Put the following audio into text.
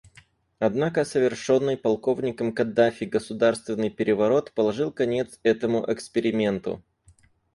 Однако совершенный полковником Каддафи государственный переворот положил конец этому эксперименту.